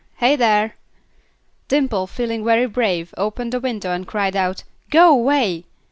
Hey, there!" Dimple, feeling very brave, opened the window and cried out, "Go away!"